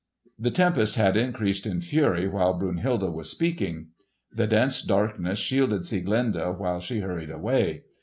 The tempest had increased in fury while Brunhilde was speaking. The dense darkness shielded Sieglinde while she hurried away.